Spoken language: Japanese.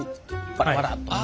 バラバラッと。